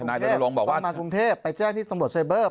อ้าวน้องต้องมากรุงเทพไปแจ้งที่สำรวจไซเบอร์